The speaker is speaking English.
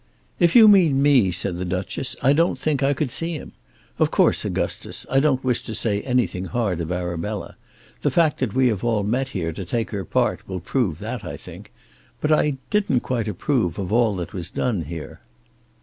"If you mean me," said the Duchess, "I don't think I could see him. Of course, Augustus, I don't wish to say anything hard of Arabella. The fact that we have all met here to take her part will prove that, I think. But I didn't quite approve of all that was done here."